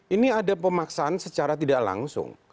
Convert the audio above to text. ini ada pemaksaan secara tidak langsung